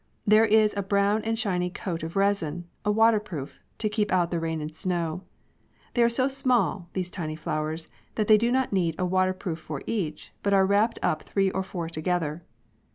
There is a brown and shiny coat of resin, a water proof, to keep out the rain and snow. They are so small, these tiny flowers, that they do not need a waterproof for each, but are wrapped up three or four together.